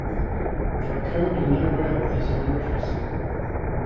There are currently no railways in Mauritius.